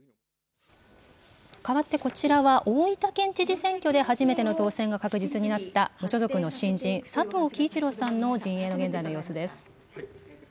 かわってこちらは、大分県知事選挙で初めての当選が確実になった無所属の新人、佐藤樹一郎さんの陣営の現在の様子です。